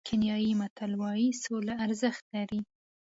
کینیايي متل وایي سوله ارزښت لري.